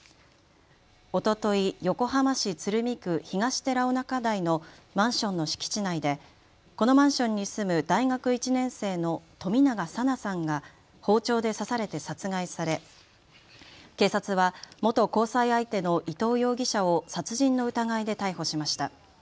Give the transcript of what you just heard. おととい横浜市鶴見区東寺尾中台のマンションの敷地内でこのマンションに住む大学１年生の冨永紗菜さんが包丁で刺されて殺害され警察は元交際相手の伊藤容疑者を殺人の疑いで逮捕しました。